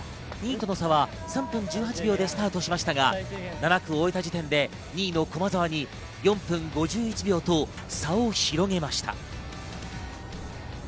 ２位との差は３分１８秒でスタートしましたが、７区を終えた時点で２位の駒澤に４分５１秒と差を広げました。